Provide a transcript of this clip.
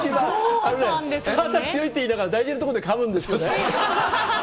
あのね、朝強いって言いながらね、大事なところでかむんですよね。